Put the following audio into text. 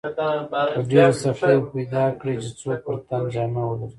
په ډېرې سختۍ به پیدا کړې چې څوک پر تن جامې ولري.